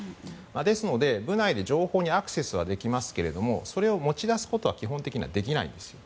ですので部内で情報にアクセスはできますけれどもそれを持ち出すことは基本的にはできないんです。